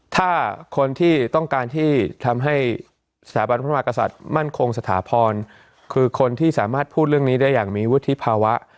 ถ้าคนที่ต้องการที่ทำให้สถาบันพระมหากษัตริย์มั่นคงสถาพรคือคนที่สามารถพูดเรื่องนี้ได้อย่างมีวุฒิภาวะ